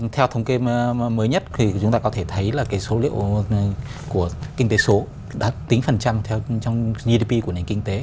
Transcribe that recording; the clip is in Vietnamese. theo thống kê mới nhất chúng ta có thể thấy số liệu của kinh tế số đã tính phần trăm trong gdp của nền kinh tế